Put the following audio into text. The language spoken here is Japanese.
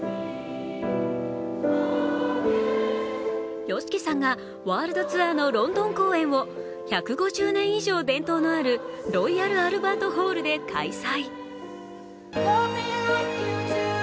ＹＯＳＨＩＫＩさんがワールドツアーのロンドン公演を１５０年以上伝統のあるロイヤル・アルバート・ホールで開催。